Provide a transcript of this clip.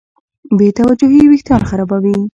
بېتوجهي وېښتيان خرابوي.